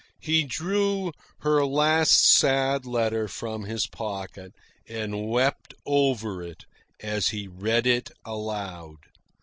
He drew her last sad letter from his pocket and wept over it as he read it aloud.